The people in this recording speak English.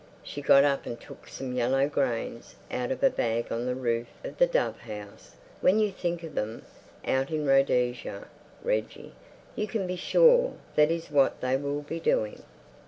She got up and took some yellow grains out of a bag on the roof of the dove house. "When you think of them, out in Rhodesia, Reggie, you can be sure that is what they will be doing...."